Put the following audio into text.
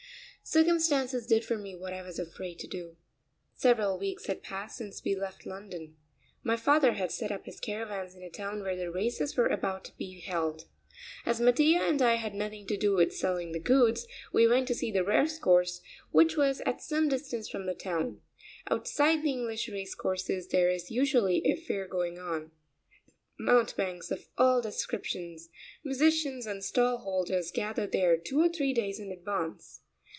Circumstances did for me what I was afraid to do. Several weeks had passed since we left London. My father had set up his caravans in a town where the races were about to be held. As Mattia and I had nothing to do with selling the goods, we went to see the race course, which was at some distance from the town. Outside the English race courses there is usually a fair going on. Mountebanks of all descriptions, musicians, and stall holders gather there two or three days in advance.